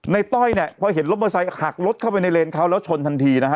ต้อยเนี่ยพอเห็นรถมอเตอร์ไซค์หักรถเข้าไปในเลนเขาแล้วชนทันทีนะฮะ